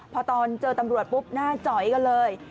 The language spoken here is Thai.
พอตอนเจอตำรวจปุ๊บหน้าจอยกันเลย